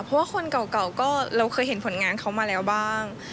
เพราะว่าคนเก่าก็เราเคยเห็นผลงานเขามาแล้วบ้าง